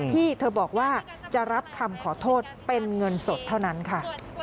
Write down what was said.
ที่เธอบอกว่าจะรับคำขอโทษเป็นเงินสดเท่านั้นค่ะ